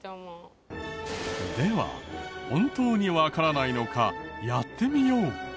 では本当にわからないのかやってみよう。